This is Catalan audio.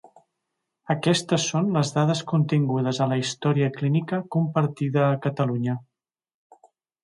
Aquestes són les dades contingudes a la història clínica compartida a Catalunya.